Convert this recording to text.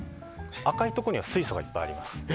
赤いところには水素がいっぱいあります。